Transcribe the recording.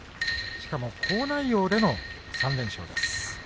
しかも好内容での３連勝です。